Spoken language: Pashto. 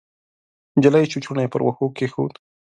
نجلۍ چوچوڼی پر وښو کېښود.